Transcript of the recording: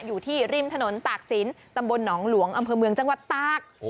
อยู่ที่ริมถนนตากศิลป์ตำบลหนองหลวงอำเภอเมืองจังหวัดตาก